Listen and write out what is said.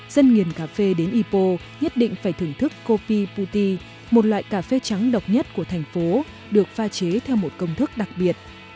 dân nghiền cà phê đến ipo nhất định phải thưởng thức copy puti một loại cà phê trắng độc nhất của thành phố được pha chế theo một công thức đặc biệt